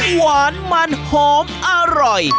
หวานมันหอมอร่อย